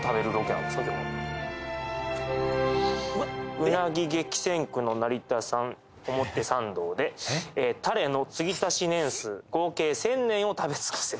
今日は「うなぎ激戦区の成田山表参道でタレの継ぎ足し年数合計１０００年を食べつくせ！」